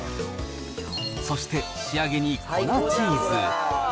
そして、仕上げに粉チーズ。